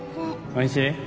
おいしい？